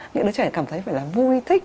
nghĩa đứa trẻ cảm thấy phải là vui thích